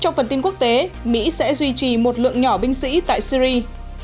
trong phần tin quốc tế mỹ sẽ duy trì một lượng nhỏ binh sĩ tại syri